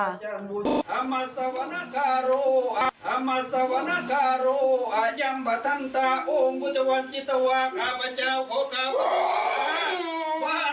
อุ้มพุทธวันจิตวาข้าพเจ้าของข้าพุทธวัน